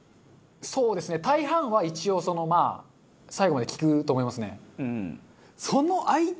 そうですね大半は一応そのまあ最後まで聞くと思いますね。